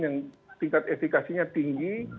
yang tingkat etikasinya tinggi